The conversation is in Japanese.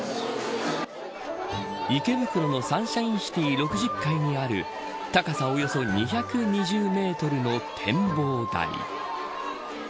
池袋のサンシャインシティ６０階にある高さおよそ２２０メートルの展望台。